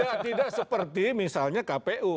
ya tidak seperti misalnya kpu